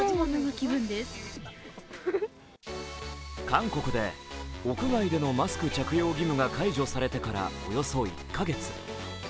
韓国で屋外でのマスク着用義務が解除されてからおよそ１カ月。